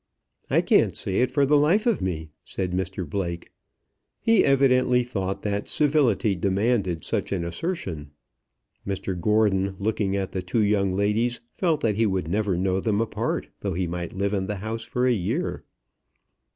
"I can't see it, for the life of me," said Mr Blake. He evidently thought that civility demanded such an assertion. Mr Gordon, looking at the two young ladies, felt that he would never know them apart though he might live in the house for a year.